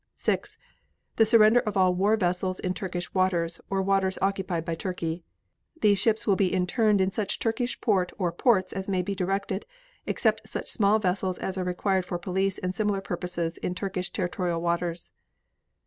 6. The surrender of all war vessels in Turkish waters or waters occupied by Turkey. These ships will be interned in such Turkish port or ports as may be directed, except such small vessels as are required for police and similar purposes in Turkish territorial waters.